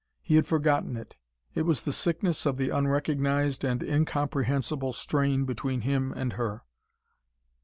He had forgotten it. It was the sickness of the unrecognised and incomprehensible strain between him and her.